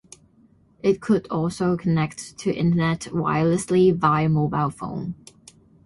It could also connect to Internet wirelessly via mobile phone.